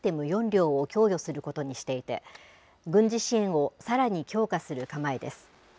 ４両を供与することにしていて、軍事支援をさらに強化する構えです。